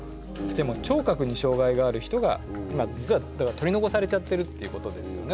でも聴覚に障害がある人が今実は取り残されちゃってるっていうことですよね